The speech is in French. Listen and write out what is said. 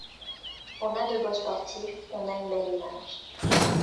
On a de beaux sportifs, on a une belle image.